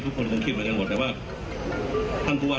ถูกต้องครับถูกต้องครับ